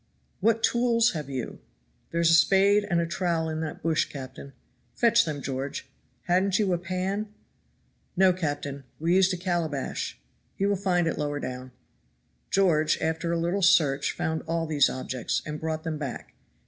"What tools have you?" "There is a spade and trowel in that bush, captain." "Fetch them, George. Hadn't you a pan?" "No, captain; we used a calabash. He will find it lower down." George, after a little search, found all these objects, and brought them back.